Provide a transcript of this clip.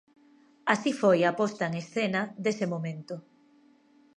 Así foi a posta en escena dese momento.